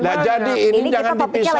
nah jadi ini jangan dipisah